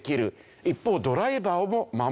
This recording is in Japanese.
一方ドライバーも守る。